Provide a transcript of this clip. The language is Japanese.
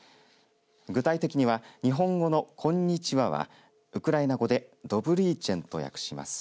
具体的には日本語のこんにちははウクライナ語でドブリィジェンと訳します。